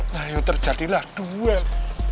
nah yuk terjadilah duel